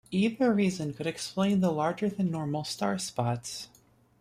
Either reason could explain the larger than normal star spots.